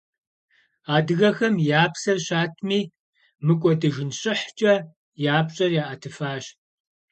Адыгэхэм я псэр щатми, мыкӀуэдыжын щӀыхькӀэ я пщӀэр яӀэтыфащ.